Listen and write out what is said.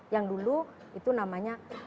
yang dulu itu namanya